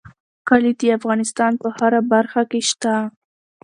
کلي د افغانستان په هره برخه کې شته.